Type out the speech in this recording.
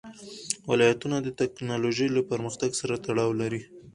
ولایتونه د تکنالوژۍ له پرمختګ سره تړاو لري.